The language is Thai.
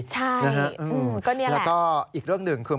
ใช่ก็นี่แหละค่ะแล้วก็อีกเรื่องหนึ่งคือ